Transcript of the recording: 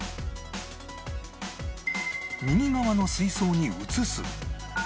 右側の水槽に移す